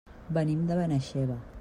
Venim de Benaixeve.